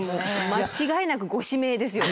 間違いなくご指名ですよね。